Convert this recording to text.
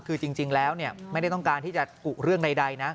คือจริงแล้วไม่ได้ต้องการที่จะกุเรื่องใดนะ